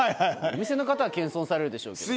お店の方は謙遜されるでしょうけど。